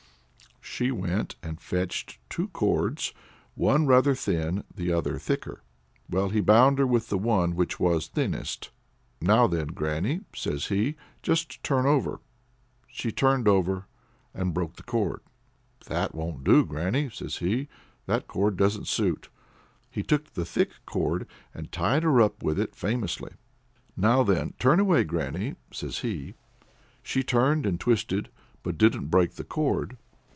She went and fetched two cords, one rather thin, the other thicker. Well, he bound her with the one which was thinnest. "Now then, granny," says he, "just turn over." She turned over, and broke the cord. "That won't do, granny," says he; "that cord doesn't suit." He took the thick cord, and tied her up with it famously. "Now then, turn away, granny!" says he. She turned and twisted, but didn't break the cord.